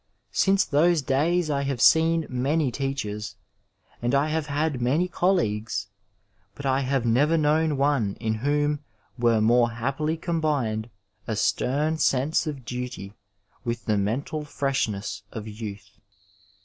Since those days I have seen many teachers, and I have had many colleagues, but I have never known one in whom were more happily combined a stem sense of duty with the mental freshness of youth.